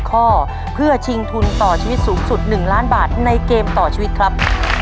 ข้อเพื่อชิงทุนต่อชีวิตสูงสุด๑ล้านบาทในเกมต่อชีวิตครับ